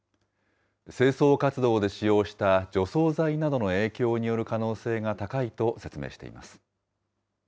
清掃活動で使用した除草剤などの影響による可能性が高いと説明しています。